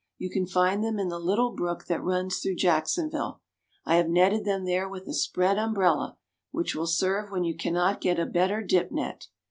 You can find them in the little brook that runs through Jacksonville. I have netted them there with a spread umbrella, which will serve when you cannot get a better dip net.